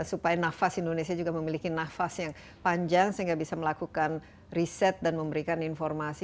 supaya nafas indonesia juga memiliki nafas yang panjang sehingga bisa melakukan riset dan memberikan informasi